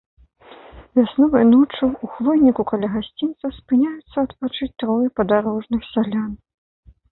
Вясновай ноччу ў хвойніку каля гасцінца спыняюцца адпачыць трое падарожных сялян.